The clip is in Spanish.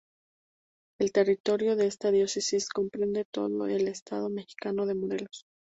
El territorio de esta diócesis comprende todo el estado mexicano de Morelos.